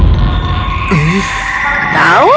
kau harus memberikan kepadaku anakmu nanti